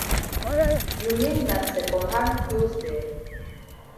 You mean na second hand closs dem.